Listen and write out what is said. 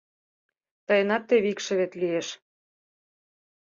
Тыйынат теве икшывет лиеш.